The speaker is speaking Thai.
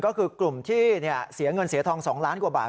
ก็คือกลุ่มที่เสียเงินเสียทอง๒ล้านกว่าบาท